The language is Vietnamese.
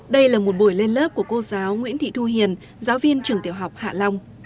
đây là một buổi lên lớp của cô giáo nguyễn thị thu hiền giáo viên trường tiểu học hạ long